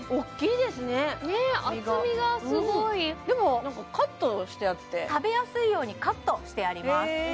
身がねっ厚みがすごいでもカットしてあって食べやすいようにカットしてあります